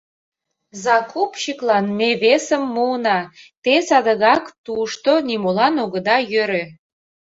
— Закупщиклан ме весым муына, те садыгак тушто нимолан огыда йӧрӧ.